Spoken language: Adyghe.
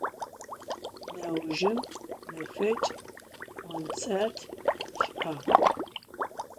Neujjım mefeç' kontsêrt şı'ağ.